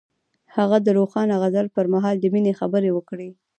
هغه د روښانه غزل پر مهال د مینې خبرې وکړې.